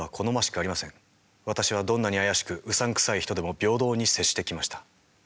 私はどんなに怪しくうさんくさい人でも平等に接してきました。